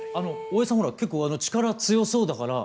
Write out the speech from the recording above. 大江さんほら結構力強そうだから。